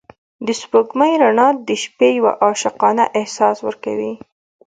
د سپوږمۍ رڼا د شپې یو عاشقانه احساس ورکوي.